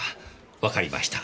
わかりました。